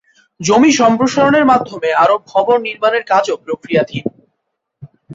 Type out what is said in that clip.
জমি সম্প্রসারণের মাধ্যমে আরো ভবন নির্মাণের কাজও প্রক্রিয়াধীন।